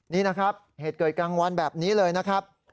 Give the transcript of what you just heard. นี่นะครับเหตุเกิดกลางวันแบบนี้เลยนะครับ